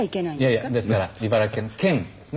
いやいやですから茨城県の「県」ですね。